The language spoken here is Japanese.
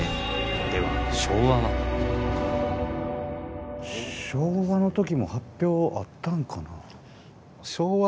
では昭和の時も発表あったんかな。